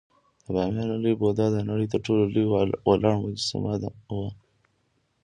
د بامیانو لوی بودا د نړۍ تر ټولو لوی ولاړ مجسمه وه